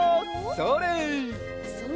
それ！